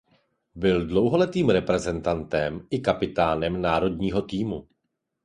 Byl dlouholetým reprezentantem i kapitánem národního týmu.